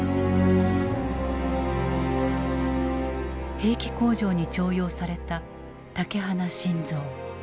兵器工場に徴用された竹鼻信三。